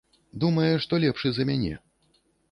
Думае, што лепшы за мяне.